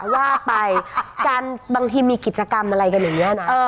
ว่าไปการบางทีมีกิจกรรมอะไรกันอย่างนี้นะ